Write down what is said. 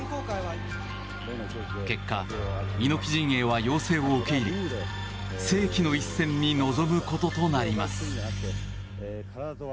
結果、猪木陣営は要請を受け入れ世紀の一戦に臨むこととなります。